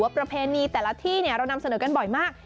ประเพณีแต่ละที่เรานำเสนอกันบ่อยมาก